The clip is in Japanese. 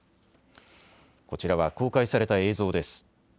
こちらは公開された映像です。